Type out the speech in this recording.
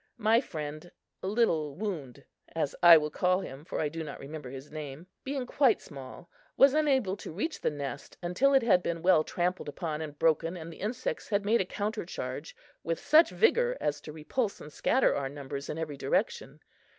My friend, Little Wound (as I will call him, for I do not remember his name), being quite small, was unable to reach the nest until it had been well trampled upon and broken and the insects had made a counter charge with such vigor as to repulse and scatter our numbers in every direction.